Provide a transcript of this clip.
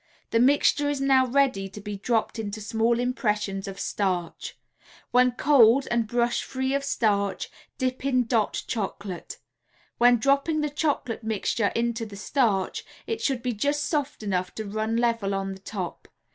The mixture is now ready to be dropped into small impressions in starch; when cold and brushed free of starch dip in "Dot" Chocolate. When dropping the chocolate mixture into the starch it should be just soft enough to run level on the top.